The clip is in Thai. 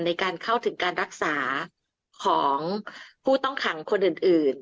ในการเข้าถึงการรักษาของผู้ต้องขังคนอื่น